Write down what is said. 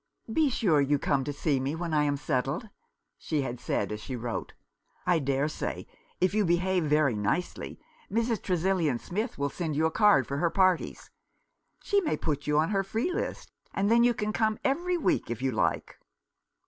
" Be sure you come to see me when I am settled," she had said, as she wrote. " I dare say, 157 Rough Justice. if you behave very nicely, Mrs. Tresillian Smith will send you a card for her parties. She may put you on her free list, and then you can come every week, if you like."